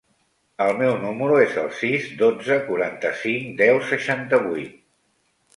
El meu número es el sis, dotze, quaranta-cinc, deu, seixanta-vuit.